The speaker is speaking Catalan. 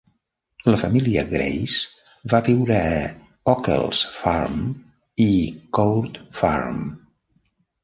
La família Grace va viure a Okells Farm i Court Farm.